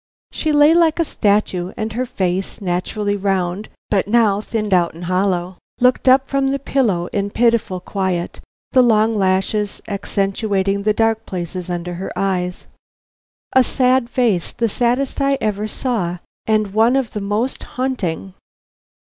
She lay like a statue, and her face, naturally round but now thinned out and hollow, looked up from the pillow in pitiful quiet, the long lashes accentuating the dark places under her eyes. A sad face, the saddest I ever saw and one of the most haunting.